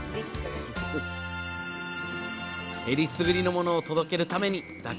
えりすぐりのものを届けるために妥協を許さない。